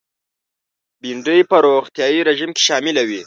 بېنډۍ په روغتیایي رژیم کې شامله وي